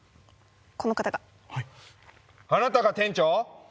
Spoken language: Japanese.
この方がはいあなたが店長？